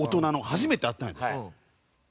初めて会ったんやで？